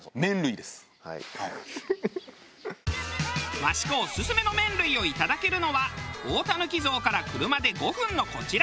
益子オススメの麺類をいただけるのは大たぬき像から車で５分のこちら。